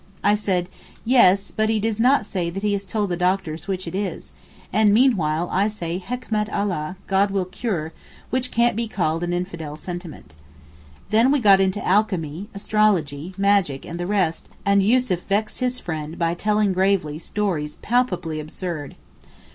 I said, 'Yes, but He does not say that He has told the doctors which it is; and meanwhile I say, hekmet Allah, (God will cure) which can't be called an infidel sentiment.' Then we got into alchemy, astrology, magic and the rest; and Yussuf vexed his friend by telling gravely stories palpably absurd.